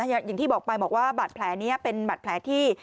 อย่างที่บอกไปบอกว่าบาดแผลนี้เป็นบาดแผลที่